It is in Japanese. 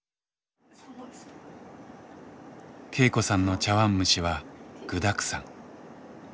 恵子さんの茶わん蒸しは具だくさん。